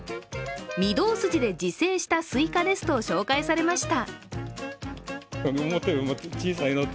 御堂筋で自生したスイカですと紹介されました。